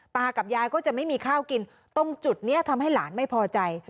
ตากับยายก็จะไม่มีข้าวกินตรงจุดนี้ทำให้หลานไม่พอใจ